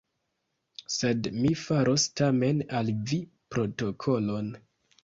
Sed mi faros tamen al vi protokolon.